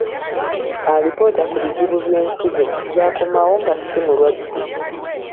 Alipoota ku bizibu by'ensigo zaakomawo nga si mulwadde.